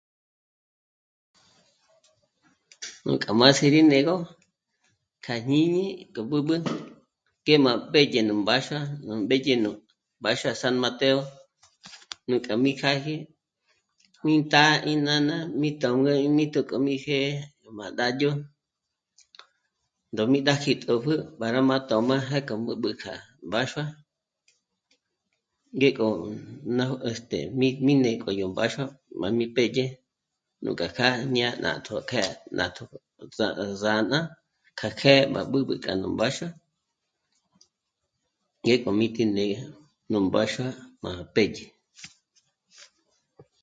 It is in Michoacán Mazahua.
Nuk'a má sí rí né'egö kja jñíñi k'o b'ǚb'ü k'e má pèdye nù mbáxua, nú mbédye nú mbáxua à San Mateo, nuk'a mí kjâji mí tá'a í naná mí tjónga ímíjtu k'o mi jě'e má d'ádyo ndó mí náji t'ópjü para má tö̌m'a jé k'a b'ǚb'ü kja mbáxua, ngék'o n... ná este... mí, mí né'e k'o yó mbáxua má mí pédye núk'a kjâ'a jñá'a nátjo kjë̀'ë nátjo o tsjà'a ò zána k'a kjë̀'ë, má b'ǚb'ü k'a nú mbáxua ngék'o míti né'e nú mbáxua má pèdye